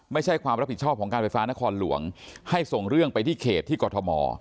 ไม่ใช่ความรับผิดชอบของการไฟฟ้านครหลวงให้ส่งเรื่องไปที่เขตที่กรทม